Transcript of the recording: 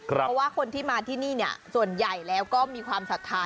เพราะว่าคนที่มาที่นี่ส่วนใหญ่แล้วก็มีความศรัทธา